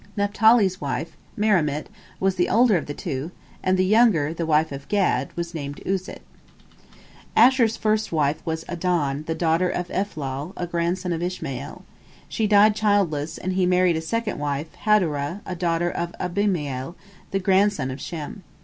Naphtali's wife, Merimit, was the older of the two, and the younger, the wife of Gad, was named Uzit. Asher's first wife was Adon, the daughter of Ephlal, a grandson of Ishmael. She died childless, and he married a second wife, Hadorah, a daughter of Abimael, the grandson of Shem.